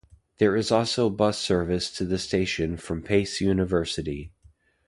There is also bus service to the station from Pace University.